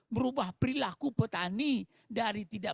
merubah perilaku petani dari tidak